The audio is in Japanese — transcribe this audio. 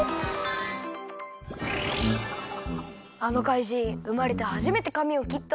あのかいじんうまれてはじめてかみをきったのか。